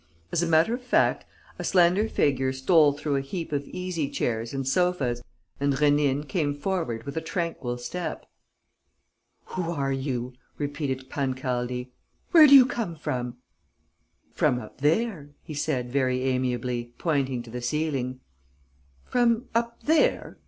As a matter of fact, a slender figure stole through a heap of easy chairs and sofas: and Rénine came forward with a tranquil step. "Who are you?" repeated Pancaldi. "Where do you come from?" "From up there," he said, very amiably, pointing to the ceiling. "From up there?"